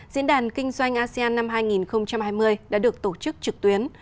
diễn đàn kinh doanh asean năm hai nghìn hai mươi đã được tổ chức trực tuyến